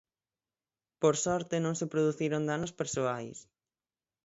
Por sorte, non se produciron danos persoais.